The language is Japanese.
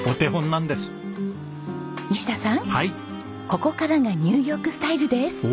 ここからがニューヨークスタイルです。